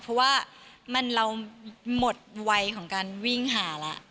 เพราะว่าเราหมดวัยของการวิ่งหาแล้ว